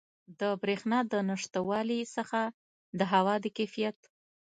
د بریښنا د نشتوالي څخه د هوا د کیفیت